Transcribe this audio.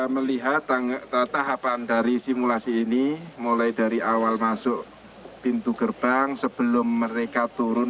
melihat tahapan dari simulasi ini mulai dari awal masuk pintu gerbang sebelum mereka turun